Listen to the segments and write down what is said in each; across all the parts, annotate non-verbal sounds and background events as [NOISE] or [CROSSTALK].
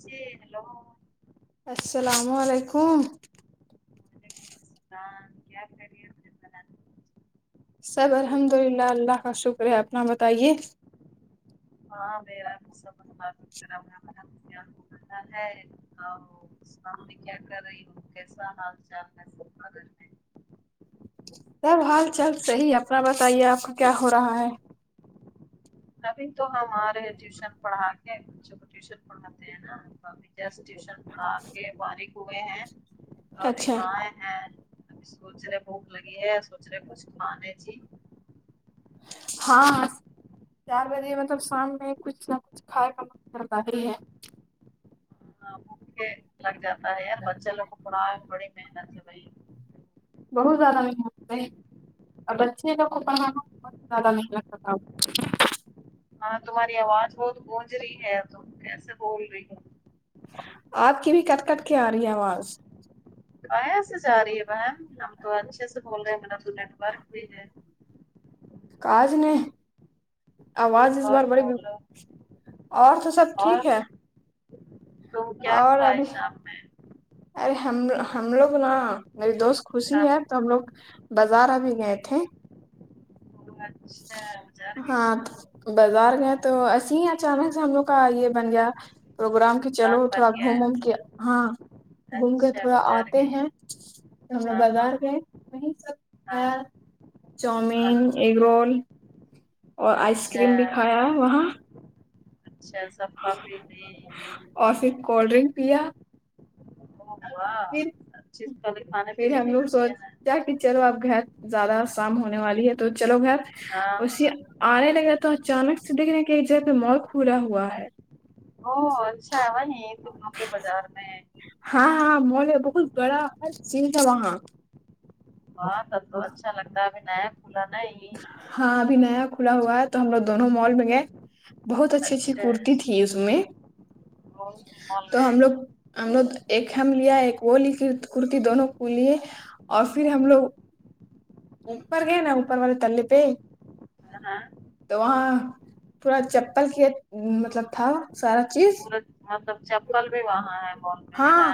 جی hello السلام علیکم وعلیکم السلام کیا خیریت سے سب الحمد للہ اللہ کا شکر ہے اپنا بتائیے ہاں میرا ہو رہا ہے [UNINTELLIGIBLE] شام میں کیا کر رہی ہوں کیسا حال چال ہے سب کا گھر میں سب حال چال صحیح اپنا بتائیے آپ کا کیا ہو رہا ہے ابھی تو ہم آرے ٹیوشن پڑھا کے بچوں کو ٹیوشن پڑھاتے ہے نا بھابھی کے ہاں سے ٹیوشن پڑھا کے فارغ ہوئے ہیں ابھی اچھا آئے سونچ رہے بھوک لگی ہے سونچ رہے کچھ کھالے جی ہاں چار بجے مطلب شام میں کچھ نا کچھ کھائے کا من کرتا ہی ہے ہاں بھوکے لگ جاتا ہے یار بچے لوگ کو پڑھاے بڑی محنت سے بھائی بہت زیادہ محنت ہے بچے لوگوں کو بہت۔ پڑھانا بہت زیادہ محنت کا کام ہوتاہے ہاں تمہاری آواز بہت گونج رہی ہے تم کیسے بول رہی ہو آپ کی بھی کٹ کٹ کے آ رہی ہے آواز کہاں سے جا رہی ہے بہن ہم تو اچھے سے بول رہے ہیں یہاں تو نیٹ ورک بھی ہے کاج نہیں آواز اس اور بار بڑی بولو اور تو سب ٹھیک ہے تو کیا اور ابھی خواہش آپ میں ارے ہم ہم لوگ نا میری دوست خوشی ہے شام کو تو ہم لوگ بازار ابھی گئے تھے اچھا بازار گئی ہاں تھی بازار گئے تو ایسے ہی اچانک سے ہم لوگ کا یے بن گیا پروگرام کی پلان چلو تھوڑا بن گیا گھوم وم کے ہاں ہے گھوم کے اچھا تھوڑا بازار آتے گئی ہیں تو ہم لوگ ہاں ہاں بازار گئے وہیں سب ہاں کھایا ہاں، چاؤمین ایگ رول اور آئس اچھا کریم بھی کھایا ہے وہاں اچھا سب کھا پی تے اور فیر کولڈ ڈرنک پیا ارے وا پھر اچھے سے کھانا پینے گیے [UNINTELLIGIBLE] تیا کی چلو اب گھر زیادہ شام ہونے والی ہے تو چلو گھر ہاں اسی ہاں آنے لگے تو اچانک سے دیکھرے کے ادھر پے مال کھولا ہوا ہے آو اچھا ہے وہی تم لوگ کے بازار میں ہے ہاں ہاں مول ہے بہت بڑا ہر چیز ہے وہاں وا تب تو اچھا لگتا ہے ابھی نیا کھولا نا یے ہاں ابھی نیا کھولا ہوا ہے تو ہم لوگ دونوں مال میں گئے بہت اچھی اچھی اچھا کرتی تھی اس میں وہ مال تو میں ہم لوگ ہم لوگ ایک ہم لیا ایک وہ لی کرتی دونوں کو لیے اور فیر ہم لوگ اوپر گے نا اوپر والے تلے پے ہے نا تو وہاں پورا چپل کی مطلب تھا سارا چیز ہاں تو اب چپل بھی وہاں ہے مال میں ہے ہاں نا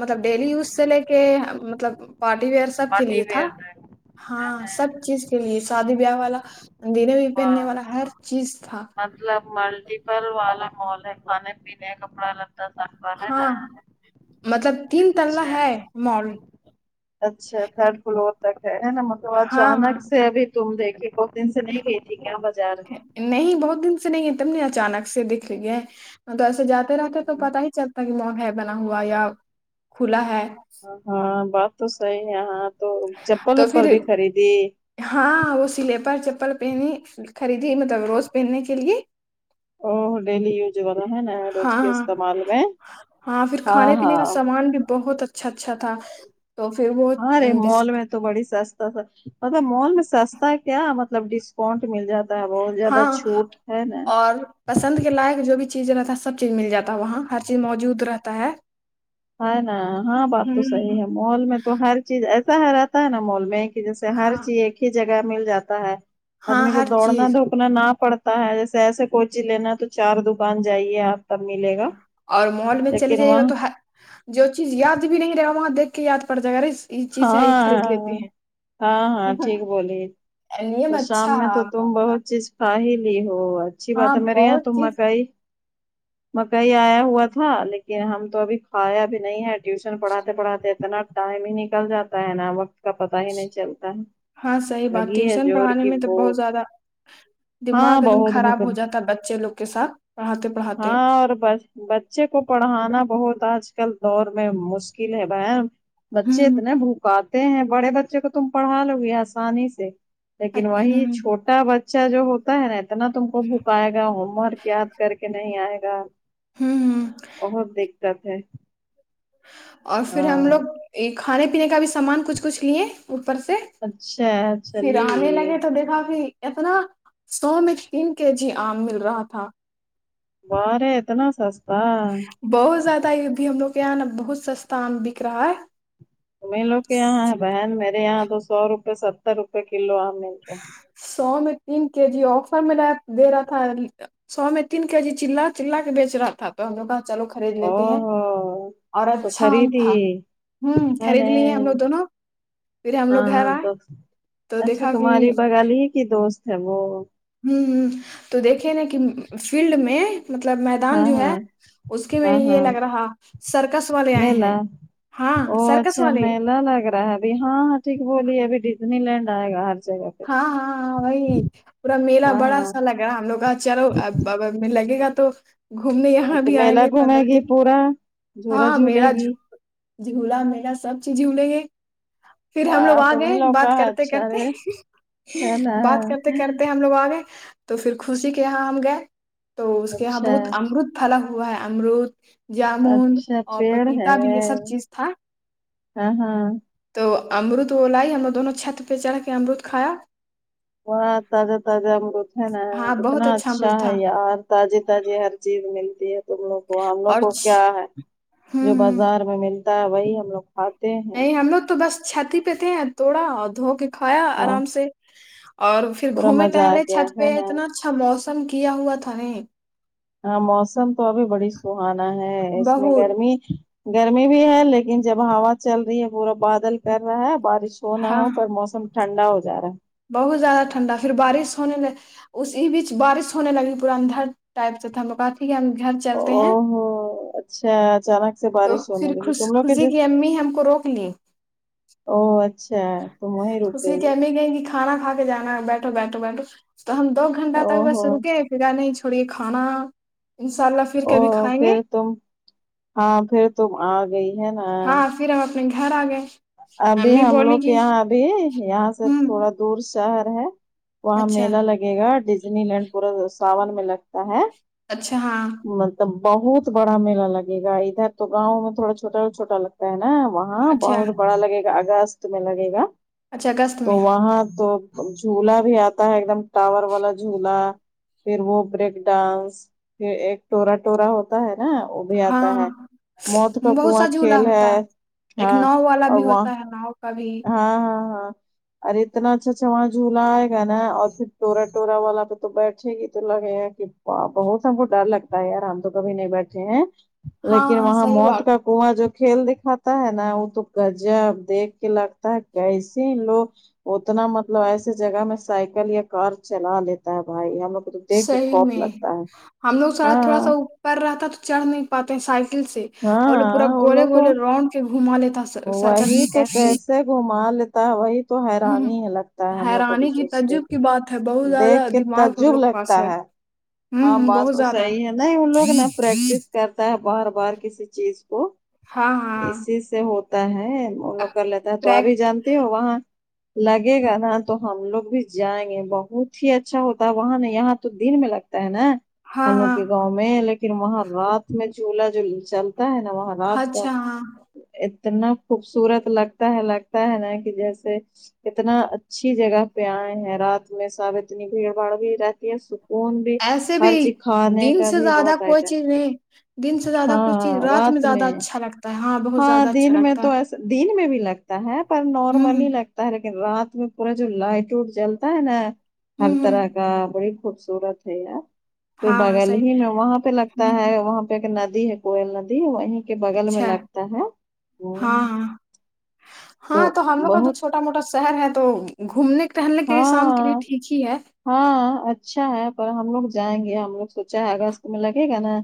مطلب ڈیلی یوز سے لے کے مطلب پارٹی ویئر تک کے پارٹی لیے تھا ویئر میں ہاں ہے نا سب چیز کے لیے شادی بیاہ والا ڈیلی ویر پہنے واہ والا ہر چیز تھا مطلب ملٹیپل والا مال ہے کھانے پینے کپڑا لتا تا سب وا ہاں مطلب تین تللا اچھا ہے مال اچھا تھرڈ فلور تک ہے ہے نا مطلب ہاں اچانک ہاں سے ابھی تم دکھی دو دن سے نہیں گئی تھی کیا بازار نہیں بہت دن سے نہیں تم نے اچانک سے دکھ لے گئے تو ایسے جاتے رہتے تو پتا ہی چلتا ہے کی مال ہےبنا ہوا یا کھولا ہے ہاں بات تو صحیح ہاں تو چپل تو اپل پھر بھی خریدی ہاں وہ سلیپر چپل پہنی خریدی مطلب روز پہنے کے لیے او ڈیلی یوز والا ہے نا روز ہاں کے ہاں استعمال میں ہاں فیر کھانے پینے کا سامان بھی بہت اچھا اچھا تھا تو فیر وہ آ رے مال میں تو تو بڑی سستا تھا مطلب مال میں سستا کیا مطلب ڈسکاؤنٹ مل جاتا بہت زیادہ ہاں چھوٹ ہے نا اور پسند کے لائق جو بھی چیزیں رہتا سب چیز مل جاتا ہے وہاں ہر چیز موجود رہتا ہے ہے نا ہاں بات ہ تو صحیح ہے مال میں تو ہر چیز ایسا ہے رہتا ہے نا مال میں کہ جیسے ہر ہاں چیز ایک ہی جگہ مل جاتا ہے ہاں آدمی کو ہر دوڑنا چیز دو پنانا نہ پڑتا ہے جیسے ایسے کوئی چیز لینا تو چار دکان جائیے آپ تب ملے گا اور مال میں چلیے لیکن جائیے گا وہاں تو ہ جوچیز یاد بھی نہیں رہے گا وہاں دیکھ کے یاد پڑ جائے گا ارے یہ ہاں چیز ہے یہ خرید آ لیتے ہیں آ ہاں ہاں ٹھیک بولی علیم تو اچھا شام میں تو تم ہے، بہت چیز کا ہے لی ہو اچھی بات ہاں ہے میرے یہاں بہت تو چیز مکائی مکائی آیا ہوا تھا لیکن ہم تو ابھی کھایا بھی نہیں ہے ٹیوشن پڑھاتے پڑھاتے اتنا ٹائم ہی نکل جاتا ہے نا وقت کا پتا ہی نہیں چلتا ہے ہاں صحیح بات لگی ہے ٹیوشن زور پڑھانے کی میں تو بہت بھوک زیادہ دماغ ہاں ایک دم بہت خراب بھوک ہو جاتا ہے بچے لوگ کے ساتھ پڑھاتے پڑھاتے ہاں اور بس بچے کو پڑھانا بہت آج کل دور میں مشکل ہے بر بہن ہوں کہتے ہیں بڑے بچے کو تم پڑھا لو گی آسانی سے لیکن اچ- وہی ہوں چھوٹا بچہ اچھا جو ہوتا ہے نا اتنا تم کو بھکائے گا ہوم ورک یاد کر کے نہیں آئے گا ہوں ہوں۔ بہت دیکت ہے اور پھر ہم ہاں لوگ یہ کھانے پینے کا بھی سامان کچھ کچھ لیے اوپر سے اچھا پھر آنے چلیے لگے تو دیکھا کہ اتنا سو میں تین کے جی آم مل رہا تھا واہ رے اتنا سستا بہت زیادہ یہ بھی ہم لوگ کے یہاں نا بہت سستا آم بک رہا ہے تم ہی لوگ کے یہاں ہے بہن میرے یہاں تو سو روپے ستر روپئے کلو آم مل رہا ہے سو میں تین کے جی آفر میں لاے دے رہا تھا سو میں تین کے جی چلا چلا کے بیچ رہا تھا تو ہم نے کہاچلو خرید لیتے ہیں او اور تو اچھا آم خریدی تھا ہوں ہے ن خرید لیے ہم لوگ دونوں پھر ہم لوگ ہاں گھر آئے تو تو اچھا دیکھا کہ تمہاری بغل ہی کی دوست ہے وہ ہوں ہوں تو دیکھے نا کہ فیلڈ میں مطلب میدان ہاں جو ہے ہاں اس کے میں ہاں یہ ہاں لگ رہا سرکس والے آئے ہیں ہاں ا و سرکس اچھا والے میلا لگ رہا ہے ابھی ہاں ہاں ٹھیک بولی ہے اب ڈزنی لینڈ آئے گا ہر جگہ پہ ہاں ہاں ہاں وہئی پورا میلہ ہاں بڑا ہاں سا لگا ہم لوگاں چلو بہ لگے گا تو گھومنے یہاں بھی آئیں ہوے پندرہ دن ہوورا ہاں میرا ج جھولا میرا سب چیز جھولے ہے پھر ہم لوگ واہ آ گئے تمہیں لوگ بات کا ہے کرتے اچھا کرتے رے ہے نا بات کرتے کرتے ہم لوگ اگئی تو پھر خوشی کے یہاں ہم گئے تو اس کے یہاں اچھا بہت امرت پھلا ہوا امرت جا جامون اچھا اور پیڑ پپیتا ہے بھی یہ سب چیز تھا ہاں ہاں تو امرد وہ لائی ہم نے دونوں چھت پہ چڑھ کے امرد کھایا باں تازہ تازہ امروت ہے نا ہاں کتنا بہت اچھا امرت ہے تھا یار تازی تازی ہر چیز ملتی ہے تم لوگ کو ہم لوگ اور کو کیا چھ- ہے ہوں جو ہوں بازار میں ملتا ہے وہی ہم لوگ کھاتے ہیں نہیں ہم لوگ تو بس چھت ہی پے تھے توڑا اور دھو کے کھایا ہاں آرام سے اور پھر پورا گھومے مزہ آ ٹہلے گیا چھت ہے پہ نا اتنا اچھا موسم کیا ہوا تھا نہیں ہاں موسم تو ابھی بڑی سہانا ہے اس میں بہت گرمی گرمی بھی ہے لیکن جب ہوا چل رہی ہے پورا بادل کر رہا ہے بارش ہو نہ ہاں ہو پر موسم ٹھنڈا ہو جا رہا بہت زیادہ ٹنڈا پھر بارش ہونے دیں اسی بیچ بارش ہونے لگی پورا اندھر ٹائپ سے تھا کافی ہم گھر چلتے ہیں او ہو اچھا اچانک سے تو بارش پھر ہونے لگی خوش تم لوگ کے خوشی جس؟ کی امی ہم کو روک لی او اچھا تو وہی رک گئی گئےیں گے کھانا کھ کے جانا بیٹھو بیٹھو بیٹھو تو ہم دو گنٹہ او تک بس ہو رکے خدا نہیں چھوڑیے کھانا انشاء اللہ پھر او کبھی کھائیں گے پھر تم ہاں پھر تم آ گئی ہے نا ہاں پھر ہم اپنے گھر آ گئے ابھی امی ہم بولی لوگ کہ یہاں یہاں سے ہوں تھوڑا دور شہر ہے وہاں اچھا میلا لگے لگے گا ڈزنی لینڈ پورا ساون میں لگتا ہے اچھا ہاں مطلب بہت بڑا میلہ لگے گا ادھر تو گاؤں میں تھوڑا چھوٹا چھوٹا لگتا ہے نا وہ ہاں اچھا بہت بڑا لگے گا اگست میں لگے گا اچھا اگست میں تو وہاں تو جھولا بھی آتا ہے ایک دم ٹاور والا جھولا پھر وہ بریک ڈانس پھر ایک ٹورا ٹورا ہوتا آتا ہے نا وہ بھی آتا ہے ہاں موت کا بہت کنواں سا جھولا کھیل ہے ہوتا ایک ہاں ناؤ والا اور بھی وہاں ہوتا ہے ناؤ کا بھی ہاں ہاں ہاں ارے اتنا اچھا اچھا وہاں جھولا آئے گا نا اور پھر ٹورا ٹورا والا پہ تو بیٹھے گی تو لگے بہت ہم کو ڈر لگتا ہے یار ہم تو کبھی نہیں بیٹھے ہیں لیکن ہاں وہاں صحیح موت بات کا کنواں جو کھیل دکھاتا ہے نا وہ تو گجب دیکھ کہ لگتا ہے کیسے ہی لوگ اتنا مطلب ایسے جگہ میں سائیکل یا کار چلا لیتا ہے بھائی ہم لوگ کو تو دیکھ کے صحیح خوف میں لگتا ہے ہم لوگ سڑک تھوڑا سا ہاں اوپر رہتا تو چڑھ نہیں پاتے سائیکل سے اور لو پورا ہاں ان گولے لوگ کو گولے راو نڈ کے گھما لیتا سرکس میں وہی تو کیسے گھما لیتے وہی تو ہ حیران ہی لگتا ہے ہم لوگ کو بھی حیرانی کی سوچ کے تجب کی بات ہے بہت زیادہ دیکھ کے دماغ تد ہم جگ لوگ پاس لگتا ہے ہوں ہاں ہ بات بہت تو زیادہ صحیح ہے نہیں ان لوگ نا پریکٹس کرتا ہے بار بار کسی چیز کو ہاں ہاں اسی سے ہوتا ہے وہ لوگ کر لیتا ہے تو ابھی پریکٹ جانتے ہو وہاں لگے گا نا تو ہم لوگ بھی جائیں گے بہت ہی اچھا ہوتا ہے وہاں نئی یہاں تو دن میں لگتا نا ہاں ہنو ہاں کے گاؤں میں لیکن وہاں رات میں چولہ جو چلتا ہے نا وہاں رات کا اچھا ہاں اتنا خوبصورت لگتا ہے لگتا ہے نا کہ جیسے اتنا اچھی جگہ پہ آئے ہیں رات میں سب اتنی بھیڑ بھاڑ بھی رہتی ہے سکون بھی ایسے ہر بھی چیز کھانے دن کا سے بھی زیادہ بہت کوئی چیز آئٹم نہیں دن سے زیادہ کوئی چیز رات میں زیادہ اچھا لگتا ہے ہاں بہت زیادہ دن اچھا میں لگتا تو ہے ایسا دن میں بھی لگتا ہے پر ہوں نارملی لگ تا ہے لیکن رات میں پورا جو لائٹ وٹ جلتا ہے نا ہ ہر ہوں طرح ہ کا بڑی خوبصورت ہے یار پھر ہاں ہاں بگل صحیح ہی میں وہاں پہ لگتا ہ ہے وہاں پہ ایک ندی ہے کوئل ندی وہیں کے بغل میں اچھا لگتا ہے ہاں ہوں، ہاں ہاں تو ہم لوگ کا تو چھوٹا موٹا شہر ہے تو گھومنے ٹہلنے کے لیے شام کے لیے ہاں ٹھیک ہی کی ہے ہاں اچھا ہے پر ہم لوگ جائیں گے ہم لوگ سوچا ہے اگست میں لگے گا نا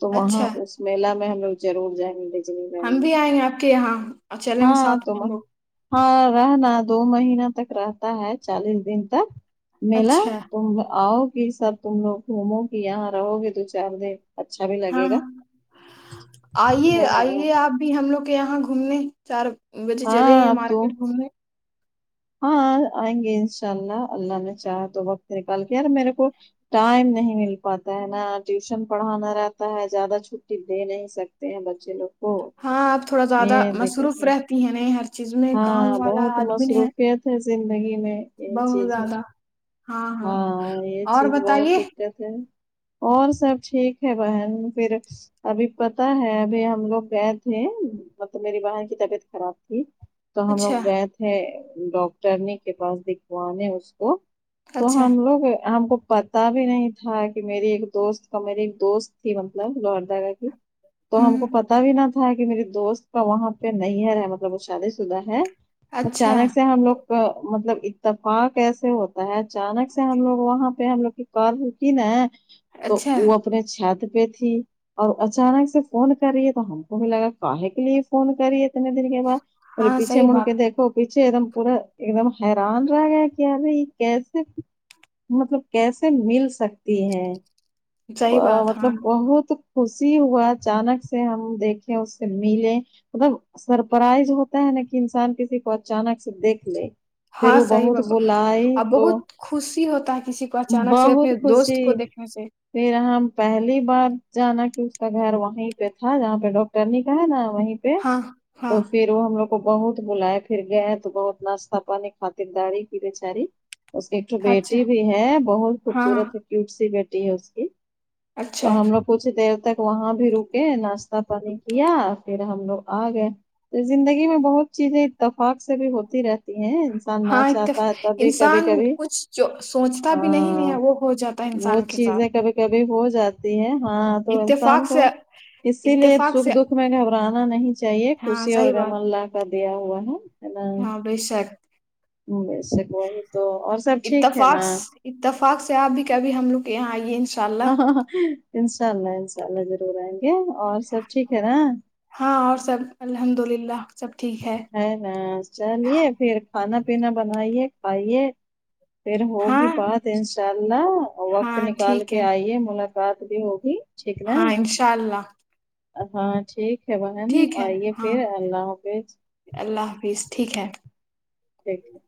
تو وہاں اچھا اس میلہ میں ہم لوگ ضرور جائیں گے ڈزنی لینڈ ہم میں بھی آئیں گے آپ کے یہاں اور چلیں گے ہاں ساتھ میں تم ہم لوگ ہاں رہنا دو مہینے تک رہتا ہے چالیس دن تک میلا اچھا تم آؤ گی سب تم لوگ گھومو گی یہاں رہو گی دو چار دن اچھا بھی لگے ہاں گا رہنے او ابھی ہم لوگ کے یہاں گھومنے چار بجے چلے ہاں ہیں اب تو مارکیٹ گھومنے ہاں آئیں گے ان شاء اللہ اللہ نے چاہا تو وقت نکال کیا میرے کو ٹائم نہیں مل پاتا ہے نا ٹیوشن پڑھانا رہتا ہے زیادہ چھٹی دے نہیں سکت تے ہیں بچے لوگ کو ہاں آپ تھوڑا زیادہ یہ دقت مصروف ہے رہتی ہیں نا ہاں بہت مصروفیت ہے زندگی میں یہ بہت چیز ہے زیادہ ہاں یہ اور چیز بہت بتائیے دقت اور سب ٹھیک ہے بہن پھر ابھی پتا ہے ابھی ہم لوگ گئے تھے مطلب میری بہن کی طبیعت خراب تھی تو ہم لوگ اچھا گئے تھے ڈاکٹرنی کے پاس دکھوانے اس کو تو اچھا ہم لوگ ہم پتا بھی نہیں تھا کہ میری ایک دوست کا میری ایک دوست تھی مطلب گا کہ تو ہم ہوں کو پتا بھی نہ تھا کہ میری دوست ہے وہاں پہ نہیں ہے مطلب وہ شادی شدہ ہے اچھا اچانک سے ہم لوگ کا مطلب اتفاق ایسے ہوتا ہے اچانک سے ہم لوگ وہاں پہ ہم لوگ کی کار رکی نا تو اچھا وہ اپنے چھات پہ تھی اور اچانک سے فون کر رہی ہے تو ہم کو بھی لگا کاہے کے لیے فون کر رہی ہے اتنے دن کے بعد بولی ہاں پیچے صحیح مڑ کے بات دھو پیچھے ایک دم پورا ایک دم حیران رہ گیا کہ اری یہ کیسے مطلب کیسے مل سکتی ہے صحیح ا بات مطلب ہاں بہت خوشی ہوا اچانک سے ہم دیکھیں اس سے ملے مطلب سرپرائز ہو تا ہے نا کہ انسان کسی کو اچانک سے دیکھ لے پھر ہاں وہ صحیح بہت بابا بلائی ا تو بہت خوشی ہوتا ہے کسی کو اچانک سے اپنے بہت دوست کو خوشی دیکھنے سے پھر ہم پہلی بار جانا کہ اس کا گھر وہیں پہ تھا جہاں پہ ڈاکٹرنی کا ہے نا وہیں پہ پہ ہاں ہاں تو پھر وہ ہم لوگ کو بہت بلایا پھر گیا ہے تو بہت ناشہ پانی خاطر داری کی بیچاری اس کی ایک اچھا بیٹی بھی ہے بہت ہاں ہاں خوبصورت ہے کیوٹ سی بیٹی ہے اس کی اچھا تو ہم لوگ کچھ دیر تک وہاں بھی رکے ناشتہ پانی کیا پھر ہم لوگ آ گئے زندگی میں بہت چیزیں اتفاق سے بھی ہوتی رہتی ہیں نہ ہاں اتف... چاہتا ہے توبھی کبھی انسان کبھی کچھ جو سوچتا ہ بھی نہیں ہے وہ ہو جاتا ہے وہ انسان کے ساتھ چیزیں کبھی کبھی ہو جاتی ہیں ہاں تو انسان اتفاق کو سے اسی لیے اتفاق سکھ سے دکھ میں گھبرانا نہیں چاہیے ہاں خوشی اور صحیح غم بات اللہ کا دیا ہوا ہے اللہ ہاں بی شاک ویسے وہی تو اور سب ٹھیک ہے نا اتفاق اتفاق سے آپ بھی کبھی ہم لوگ کے یہاں آئیے شاء اللہ ہاں ہاں ہاں انشاء اللہ انشاء اللہ ضرور آئیں گے اور سب ٹھیک ہے نا ہاں اور سب الحمد للہ سب ٹھیک ہے نا چلیے پھر کھانا پینا بنائیے کھائیے پھر ہاں ہوگی بات انشاء اللہ وقت ہاں نکال ٹھیک کے ہے آئیے ملاقات رات بھی ہوگی ٹھیک ہے ہاں انشاء اللہ ہاں ٹھیک ٹھیک ہے بہن ٹھیک ہے آئیے ہاں پھر اللہ حافظ اللہ حافظ ٹھیک ہے ٹھیک ہے